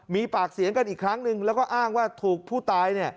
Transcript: มีปากเสียงกันอีกครั้งหนึ่งแล้วก็อ้างว่าถูกผู้ตาย